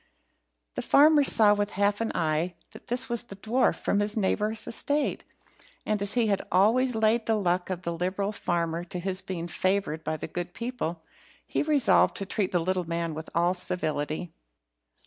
The farmer saw with half an eye that this was the dwarf from his neighbour's estate, and as he had always laid the luck of the liberal farmer to his being favoured by the good people, he resolved to treat the little man with all civility.